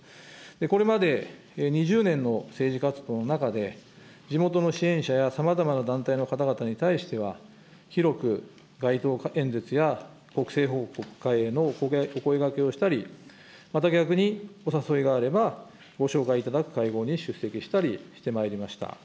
これまで２０年の政治活動の中で、地元の支援者やさまざまな団体の方々に対しては、広く街頭演説や、国政報告会へのお声かけをしたり、また逆にお誘いがあれば、ご紹介いただく会合に出席したりしてまいりました。